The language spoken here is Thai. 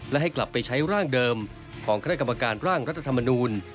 และให้กลับไปใช้ร่างเดิมของคณะกรรมการร่างรัฐธรรมนูล